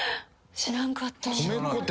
知らんかった。